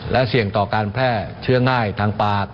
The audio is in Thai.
และเสี่ยงต่อการแพร่เชื้อง่ายทางปาก